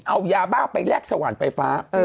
เอายาบ้าไปแลกสวรรค์ไฟฟ้า